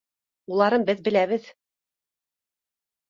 Уларын беҙ беләбеҙ